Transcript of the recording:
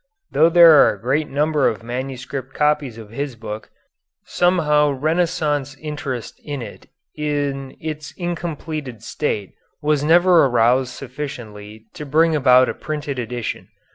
Though there are a great number of manuscript copies of his book, somehow Renaissance interest in it in its incompleted state was never aroused sufficiently to bring about a printed edition.